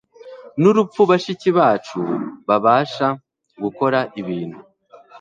nurupfu Bashiki bacu babasha gukora ibintu